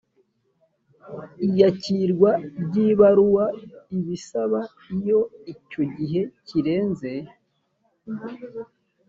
iyakirwa ry ibaruwa ibisaba iyo icyo gihe kirenze